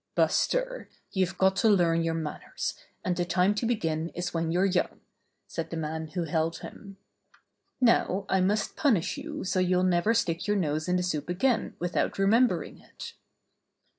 "Buster, you've got to learn your manners, and the time to begin is when you're young," said the man who held him. "Now I must punish you so you'll never stick your nose in the soup again without remembering it."